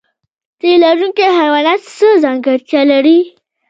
تی لرونکي حیوانات څه ځانګړتیا لري؟